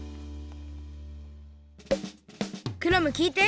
クラムきいて。